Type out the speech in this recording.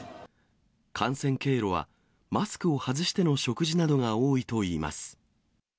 感染経路は、マスクを外しての食事などが多いといいます。